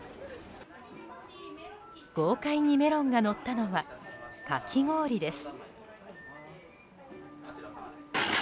豪快にメロンがのったのはかき氷です。